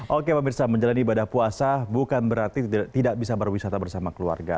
oke pak mirsa menjalan ibadah puasa bukan berarti tidak bisa berwisata bersama keluarga